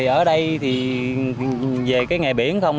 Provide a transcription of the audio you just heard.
ở đây thì về cái nghề biển không